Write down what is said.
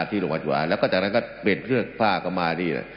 ที่โรงวัชวาาแล้วก็จากนั้นเปลี่ยนเครื่องฟ่าเอามานี้นะ